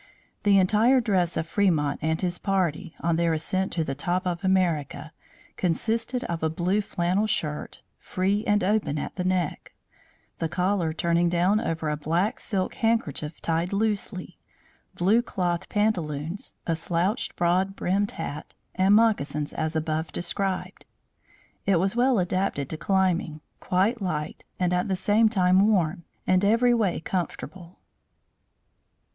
The entire dress of Fremont and his party, on their ascent to the "top of America," consisted of a blue flannel shirt, free and open at the neck, the collar turning down over a black silk handkerchief tied loosely, blue cloth pantaloons, a slouched broad brimmed hat, and moccasins as above described. It was well adapted to climbing, quite light, and at the same time warm, and every way comfortable.